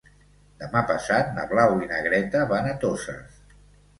Demà passat na Blau i na Greta van a Toses.